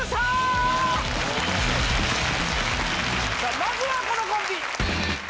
まずはこのコンビ！